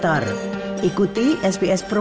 terima kasih bu sri